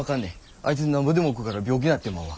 あいつなんぼでも食うから病気なってまうわ。